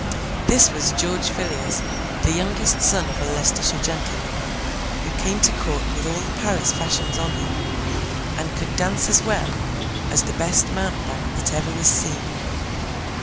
This was George Villiers, the youngest son of a Leicestershire gentleman: who came to Court with all the Paris fashions on him, and could dance as well as the best mountebank that ever was seen.